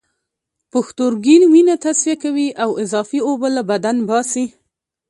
پښتورګي وینه تصفیه کوي او اضافی اوبه له بدن باسي